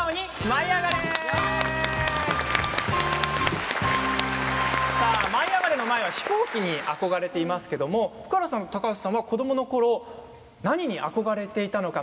「舞いあがれ！」の舞は飛行機に憧れていますが福原さん、高橋さんは子どものころ何に憧れていたのか。